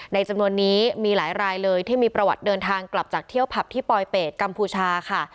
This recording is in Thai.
จำนวนนี้มีหลายรายเลยที่มีประวัติเดินทางกลับจากเที่ยวผับที่ปลอยเป็ดกัมพูชาค่ะ